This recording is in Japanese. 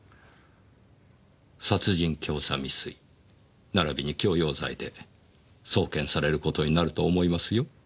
殺人教唆未遂ならびに強要罪で送検される事になると思いますよ。